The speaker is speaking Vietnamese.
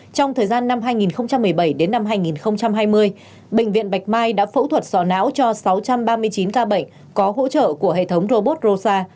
trong thời gian năm hai nghìn một mươi bảy đến năm hai nghìn hai mươi bệnh viện bạch mai đã phẫu thuật sò não cho sáu trăm ba mươi chín ca bệnh có hỗ trợ của hệ thống robot